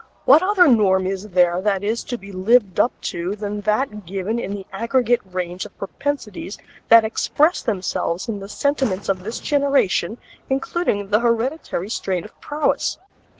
What other norm is there that is to be lived up to than that given in the aggregate range of propensities that express themselves in the sentiments of this generation, including the hereditary strain of prowess?